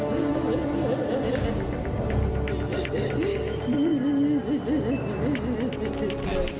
สวัสดีครับ